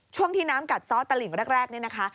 ช่วงที่น้ำกัดซ้อตลิ่งแรกนี่นะคะ